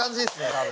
多分。